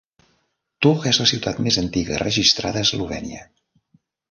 Ptuj és la ciutat més antiga registrada a Eslovènia.